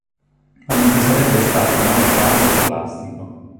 Ma non ci sarebbe stato un altro anno scolastico.